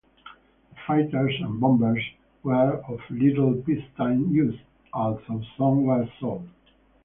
The fighters and bombers were of little peacetime use, although some were sold.